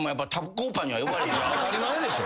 当たり前でしょ。